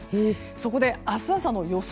そこで、明日朝の予想